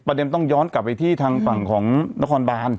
ต้องย้อนกลับไปที่ทางฝั่งของนครบาน